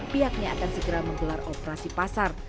pihaknya akan segera menggelar operasi pasar